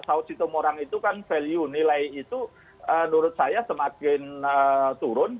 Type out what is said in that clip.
saud sitomorang itu kan value nilai itu menurut saya semakin turun